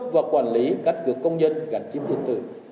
và quản lý các cơ công dân gần chính quyền tư